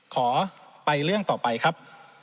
ขอไปเรื่องต่อไปครับ